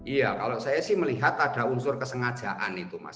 iya kalau saya sih melihat ada unsur kesengajaan itu mas